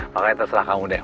makanya terserah kamu deh